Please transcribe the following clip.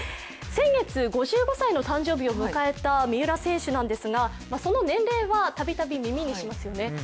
先月５５歳の誕生日を迎えた三浦選手なんですがその年齢は、たびたび耳にしますよね。